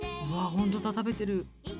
本当だ食べてる。